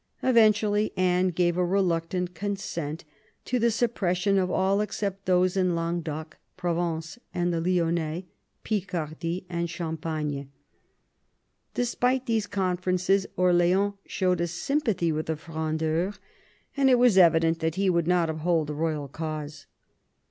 Eventually Anne gave a reluctant consent to the suppression of all except those in Languedoc, Provence, the Lyonnais, Picardy, and Champagne. During these conferences Orleans showed a sympathy with the Frondeurs, and it was evident 64 MAZARIN chap. that he would not uphold the royal cause.